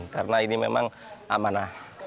karena ini memang amanah